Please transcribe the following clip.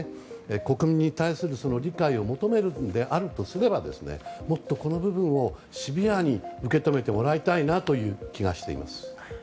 国民に対する理解を求めるのであるならもっとこの部分をシビアに受け止めてもらいたいなという気がしています。